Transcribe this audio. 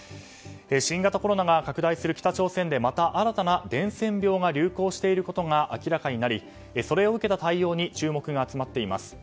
新型コロナが拡大する北朝鮮でまた新たな伝染病が流行していることが明らかになりそれを受けた対応に注目が集まっています。